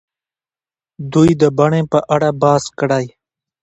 دوی د بڼې په اړه بحث کړی.